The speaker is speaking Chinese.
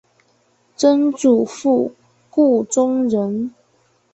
曾祖父顾仲仁。